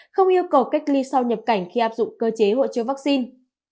không yêu cầu cách ly sau nhập cảnh khi áp dụng cơ chế hộ chiếu vaccine